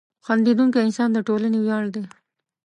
• خندېدونکی انسان د ټولنې ویاړ دی.